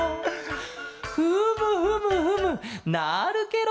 フムフムフムなるケロ！